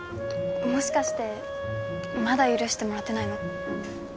もしかしてまだ許してもらってないの？